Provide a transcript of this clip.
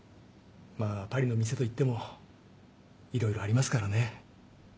まあパリの店といってもいろいろありますからね。